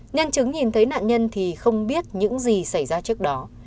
nhân chứng nhìn thấy nạn nhân thì không biết những gì xảy ra trước đó